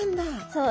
そう。